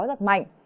gió rất mạnh